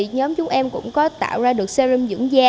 nhóm chúng em cũng có tạo ra được serim dưỡng da